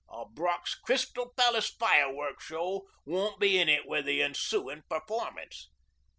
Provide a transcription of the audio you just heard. A Brock's Crystal Palace firework show won't be in it wi' the ensooin' performance.